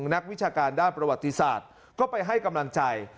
นักวิชาการด้านประวัติศาสตร์ก็ไปให้กำลังใจ